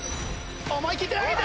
思い切って投げた！